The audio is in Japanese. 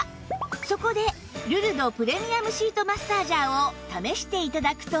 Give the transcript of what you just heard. そこでルルドプレミアムシートマッサージャーを試して頂くと